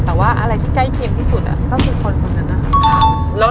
แต่ว่าอะไรที่ใกล้เคียงที่สุดก็คือคนคนนั้นนะคะ